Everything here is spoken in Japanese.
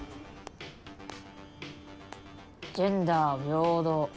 「ジェンダー平等」